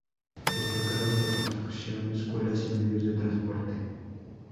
Destacaron la construcción de escuelas y medios de transporte.